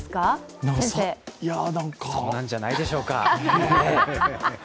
そうなんじゃないでしょうか。